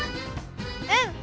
うん！